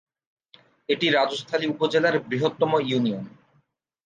এটি রাজস্থলী উপজেলার বৃহত্তম ইউনিয়ন।